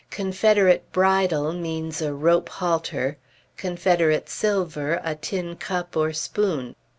Confederate bridle means a rope halter. Confederate silver, a tin cup or spoon.